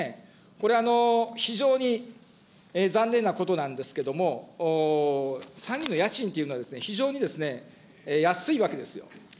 これ、非常に残念なことなんですけども、参議院の家賃というのはですね、非常にですね、安いわけですよ。